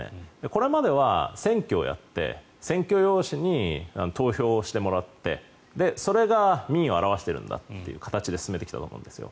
これまでは選挙をやって選挙用紙で投票してもらってそれが民意を表しているんだという形で進めてきたと思うんですよ。